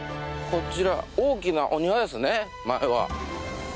こちら大きなお庭ですね前は。